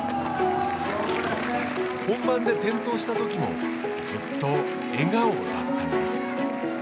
本番で転倒したときもずっと笑顔だったのです。